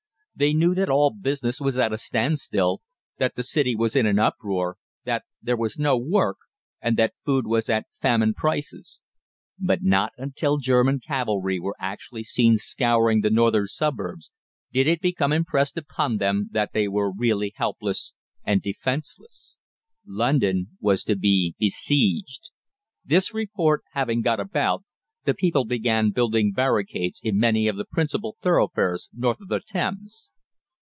They knew that all business was at a standstill, that the City was in an uproar, that there was no work, and that food was at famine prices. But not until German cavalry were actually seen scouring the northern suburbs did it become impressed upon them that they were really helpless and defenceless. London was to be besieged! This report having got about, the people began building barricades in many of the principal thoroughfares north of the Thames.